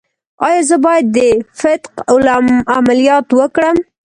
ایا زه باید د فتق عملیات وکړم؟